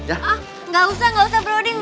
ah gak usah gak usah broding